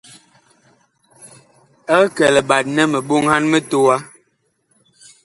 Eg kɛ liɓat nɛ mi ɓoŋhan mitowa.